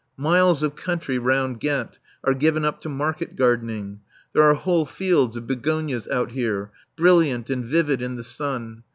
Miles of country round Ghent are given up to market gardening. There are whole fields of begonias out here, brilliant and vivid in the sun.